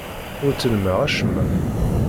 Ur ttellmeɣ acemma.